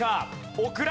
オクラ。